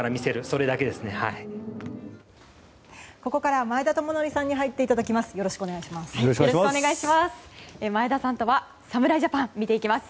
ここからは前田智徳さんに入っていただきます。